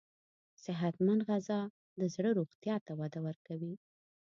صحتمند غذا د زړه روغتیا ته وده ورکوي.